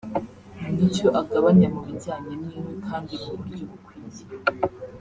n’icyo agabanya mu bijyanye n’inkwi kandi mu buryo bukwiye